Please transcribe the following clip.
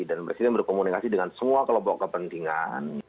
dan presiden berkomunikasi dengan semua kelompok kepentingan